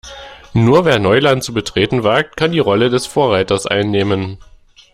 Nur wer Neuland zu betreten wagt, kann die Rolle des Vorreiters einnehmen.